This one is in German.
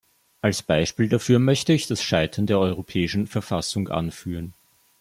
Als Beispiel dafür möchte ich das Scheitern der Europäischen Verfassung anführen.